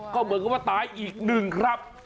ก็เหมือนกับว่าตายอีกหนึ่งครับ